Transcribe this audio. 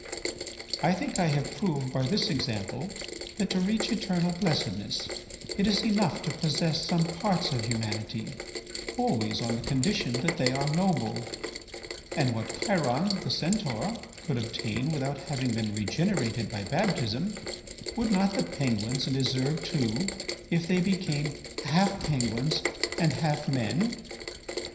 "I think I have proved by this example that, to reach eternal blessedness, it is enough to possess some parts of humanity, always on the condition that they are noble. And what Chiron, the Centaur, could obtain without having been regenerated by baptism, would not the penguins deserve too, if they became half penguins and half men?